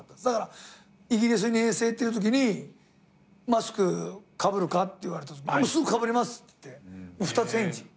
だからイギリスに遠征っていうときにマスクかぶるかって言われたすぐかぶりますって言って二つ返事。